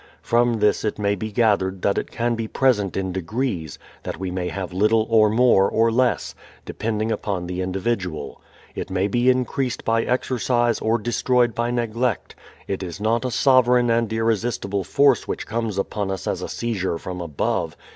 From this it may be gathered that it can be present in degrees, that we may have little or more or less, depending upon the individual. It may be increased by exercise or destroyed by neglect. It is not a sovereign and irresistible force which comes upon us as a seizure from above.